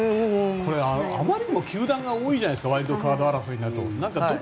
あまりにも球団が多いじゃないですかワイルドカード争いになると。